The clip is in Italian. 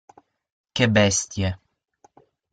Che bestie!